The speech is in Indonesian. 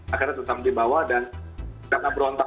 akhirnya tetap dibawa dan karena berontak